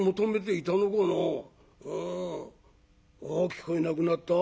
んあっ聞こえなくなった。